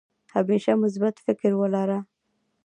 همېشه مثبت فکر ولره